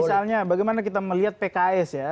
misalnya bagaimana kita melihat pks ya